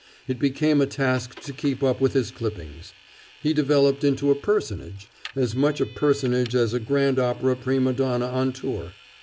It became a task to keep up with his clippings. He developed into a personage, as much a personage as a grand opera prima donna on tour.